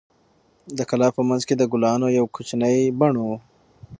د کلا په منځ کې د ګلانو یو کوچنی بڼ و.